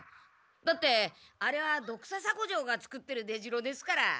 だってあれはドクササコ城がつくってる出城ですから。